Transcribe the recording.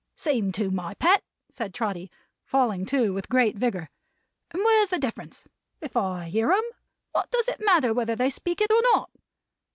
"Seem to, my Pet," said Trotty, falling to with great vigor. "And where's the difference? If I hear 'em, what does it matter whether they speak it or not?